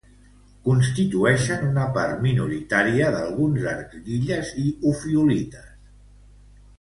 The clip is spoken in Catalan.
Constitueixen una part minoritària d'alguns arcs d'illes i ofiolites.